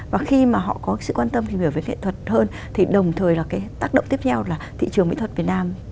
và khi mà họ có sự quan tâm tìm hiểu về nghệ thuật hơn thì đồng thời là cái tác động tiếp theo là thị trường mỹ thuật việt nam